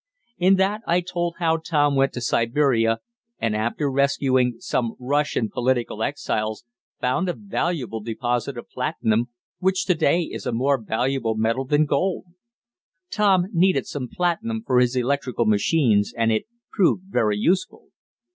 In that I told how Tom went to Siberia, and after rescuing some Russian political exiles, found a valuable deposit of platinum, which to day is a more valuable metal than gold. Tom needed some platinum for his electrical machines, and it proved very useful.